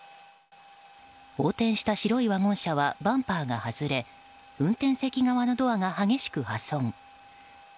横転した白いワゴン車はバンパーが外れ運転席側のドアが激しく破損。